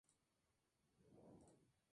Más deliberada.